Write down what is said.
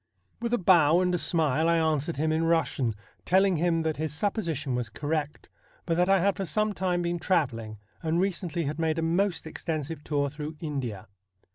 ' With a bow and a smile I answered him in Eussian, telling him that his supposition was correct, but that I had for some time been travelling, and recently had made a most THE BLUE STAR 27 extensive tour through India.